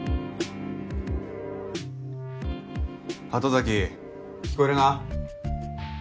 鳩崎聞こえるな？